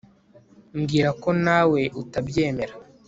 Mbwira ko nawe utabyemera